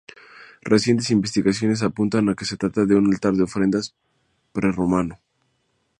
Recientes investigaciones apuntan a que se trata de un altar de ofrendas prerromano.